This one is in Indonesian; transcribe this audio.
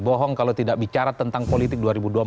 bohong kalau tidak bicara tentang politik dua ribu dua puluh empat